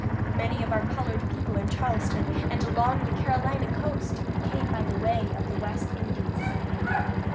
Many of our colored people in Charleston and along the Carolina coast came by the way of the West Indies.